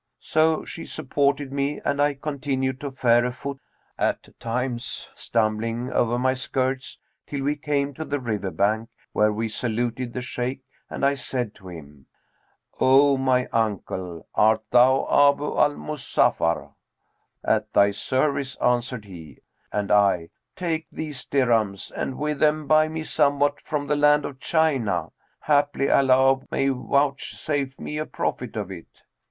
So she supported me and I continued to fare a foot, at times stumbling over my skirts, till we came to the river bank, where we saluted the Shaykh and I said to him, 'O my uncle, art thou Abu al Muzaffar?' 'At thy service,' answered he, and I, 'Take these dirhams and with them buy me somewhat from the land of China: haply Allah may vouchsafe me a profit of it.'